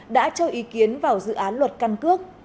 đã cho ý kiến vào dự án luật căn cước